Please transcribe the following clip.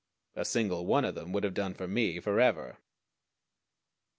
A single one of them would have done for me forever.